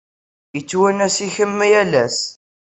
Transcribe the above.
Yettwanas-ikem yal ass.